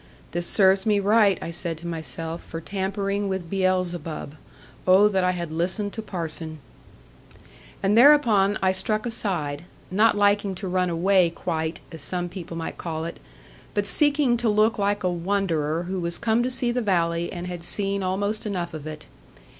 'This serves me right,' I said to myself, 'for tampering with Beelzebub. Oh that I had listened to parson!' And thereupon I struck aside; not liking to run away quite, as some people might call it; but seeking to look like a wanderer who was come to see the valley, and had seen almost enough of it.